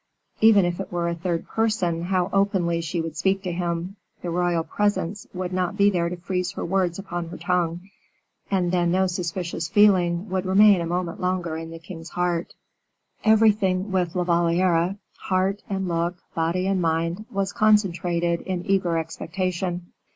Even if it were a third person, how openly she would speak to him; the royal presence would not be there to freeze her words upon her tongue, and then no suspicious feeling would remain a moment longer in the king's heart. Everything with La Valliere, heart and look, body and mind, was concentrated in eager expectation.